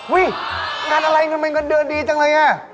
อุ๊ยงานอะไรที่ทำให้เงินเดือนดีจังเลยน่ะ